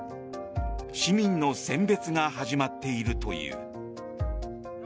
市民の選別が始まっているという。